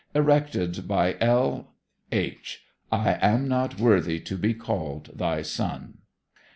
ERECTED BY L. H. 'I AM NOT WORTHY TO BE CALLED THY SON.'